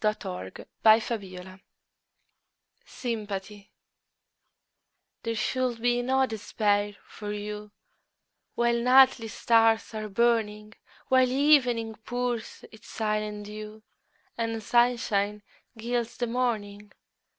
Emily Bronte Sympathy THERE should be no despair for you While nightly stars are burning; While evening pours its silent dew, And sunshine gilds the morning.